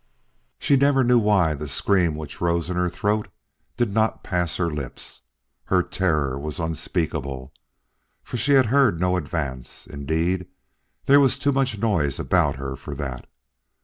She never knew why the scream which rose in her throat did not pass her lips. Her terror was unspeakable, for she had heard no advance; indeed, there was too much noise about her for that.